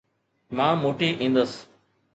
مان موٽي ايندس